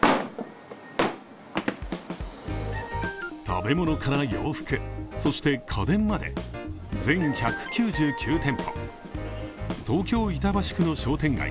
食べ物から洋服そして家電まで、全１９９店舗東京・板橋区の商店街